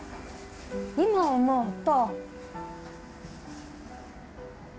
今思うと。